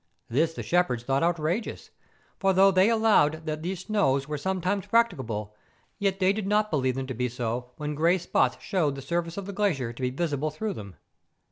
This the shepherds thought outrageous, for though they allowed that these snows are sometimes practicable, yet they did not believe them to be so when grey spots showed the surface of the glacier to be visible through them.